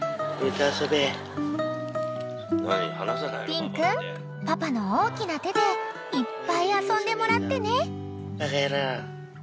［ピン君パパの大きな手でいっぱい遊んでもらってね］